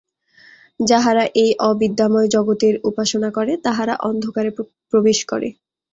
যাহারা এই অবিদ্যাময় জগতের উপাসনা করে, তাহারা অন্ধকারে প্রবেশ করে।